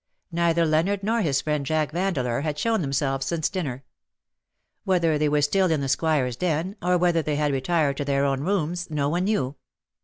Neither Leonard nor his friend Jack Vandeleur had shown themselves since dinner. Whether they were still in the Squire^s den^ or whether they had retired to their own rooms no one knew.